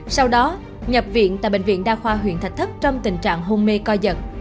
sau đó nhập viện tại bệnh viện đa khoa huyện thạch thất trong tình trạng hôn mê co giật